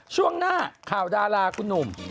ช่วงหน้าข่าวดาราคุณหนุ่ม